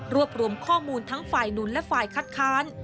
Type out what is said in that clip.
รวมข้อมูลทั้งฝ่ายดุลและฝ่ายคัดค้าน